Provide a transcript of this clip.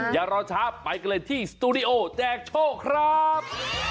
อย่ารอช้าไปกันเลยที่สตูดิโอแจกโชคครับ